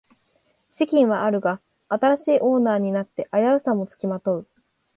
資金はあるが新しいオーナーになって危うさもつきまとう